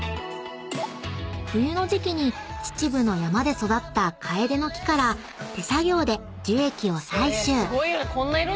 ［冬の時季に秩父の山で育ったカエデの木から手作業で樹液を採取］